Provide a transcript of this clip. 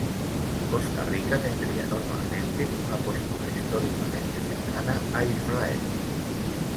Costa Rica tendría normalmente una postura históricamente cercana a Israel.